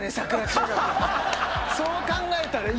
そう考えたら。